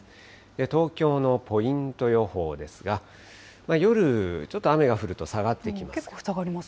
東京のポイント予報ですが、夜、ちょっと雨が降ると下がってきます。